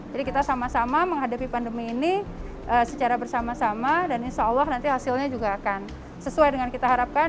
jadi kita sama sama menghadapi pandemi ini secara bersama sama dan insya allah nanti hasilnya juga akan sesuai dengan kita harapkan